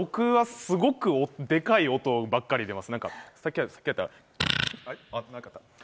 僕はすごいでっかい音ばっかり出ます。